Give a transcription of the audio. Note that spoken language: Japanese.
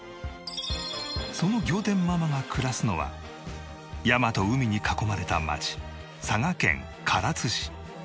その仰天ママが暮らすのは山と海に囲まれた街佐賀県唐津市。